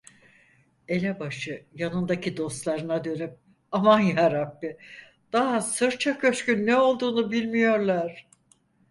Elebaşı yanındaki dostlarına dönüp: "Aman yarabbi, daha sırça köşkün ne olduğunu bilmiyorlar."